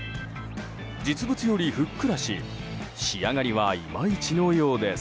実物よりふっくらし仕上がりはいまいちのようです。